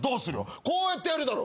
こうやってやるだろ？